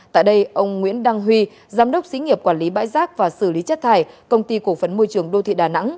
tại đây ông nguyễn đăng huy giám đốc xí nghiệp quản lý bãi rác và xử lý chất thải công ty cổ phấn môi trường đô thị đà nẵng